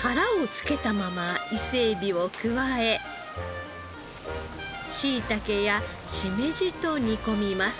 殻をつけたまま伊勢エビを加え椎茸やしめじと煮込みます。